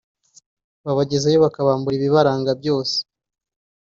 babagezayo bakabambura ibibaranga byose